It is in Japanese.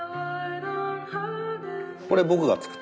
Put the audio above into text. これ僕が作った。